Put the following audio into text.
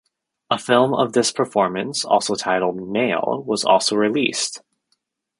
A film of this performance, also titled "Male", was also released.